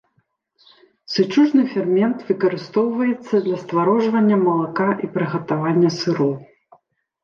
Сычужны фермент выкарыстоўваецца для стварожвання малака і прыгатавання сыроў.